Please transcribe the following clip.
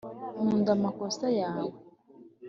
nkunda amakosa yawe